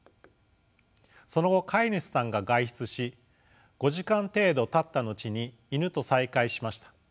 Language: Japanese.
その後飼い主さんが外出し５時間程度たった後にイヌと再会しました。